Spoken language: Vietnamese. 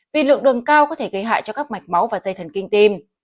vì lượng đường cao có thể gây hại cho các mạch máu và dây thần kinh tim